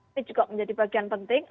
ini juga menjadi bagian penting